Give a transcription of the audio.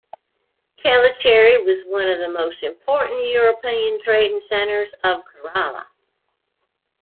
Tellicherry was one of the most important European trading centers of Kerala.